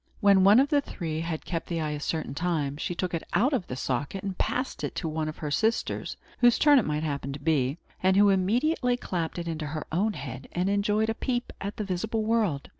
When one of the three had kept the eye a certain time, she took it out of the socket and passed it to one of her sisters, whose turn it might happen to be, and who immediately clapped it into her own head, and enjoyed a peep at the visible world.